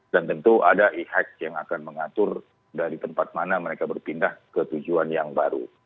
dan tentu ada e hack yang akan mengatur dari tempat mana mereka berpindah ke tujuan yang baru